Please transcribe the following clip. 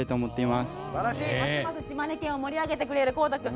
ますます島根県を盛り上げてくれる孝汰君。